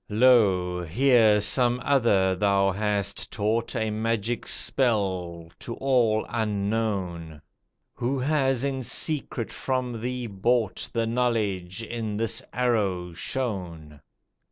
Lo! here, some other thou hast taught A magic spell, to all unknown; Who has in secret from thee bought The knowledge, in this arrow shown!"